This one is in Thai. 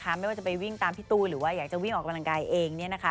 ไม่ว่าจะไปวิ่งตามพี่ตู้หรือว่าอยากจะวิ่งออกกำลังกายเอง